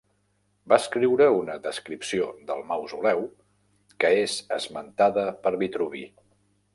Va escriure una descripció del Mausoleu que és esmentada per Vitruvi.